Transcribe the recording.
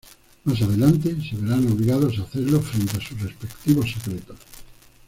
Más adelante se verán obligados a hacerle frente a sus respectivos secretos.